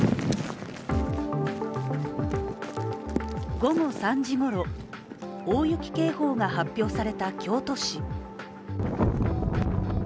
午後３時ごろ、大雪警報が発表された京都市。